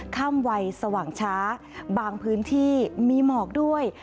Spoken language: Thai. ค่ำวัยสว่างช้าบางพื้นที่มีหมอกด้วย